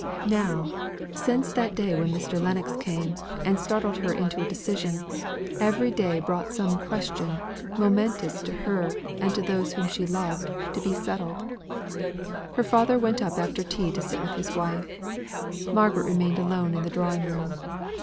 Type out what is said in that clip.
Now, since that day when Mr. Lennox came, and startled her into a decision, every day brought some question, momentous to her, and to those whom she loved, to be settled. Her father went up after tea to sit with his wife. Margaret remained alone in the drawing room.